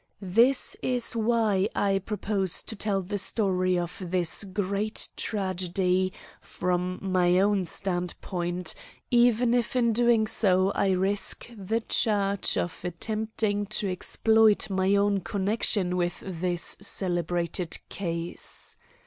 This is why I propose to tell the story of this great tragedy from my own standpoint, even if in so doing I risk the charge of attempting to exploit my own connection with this celebrated case.